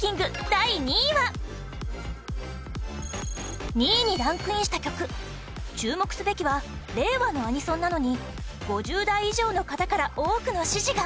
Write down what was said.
第２位は２位にランクインした曲注目すべきは令和のアニソンなのに５０代以上の方から多くの支持が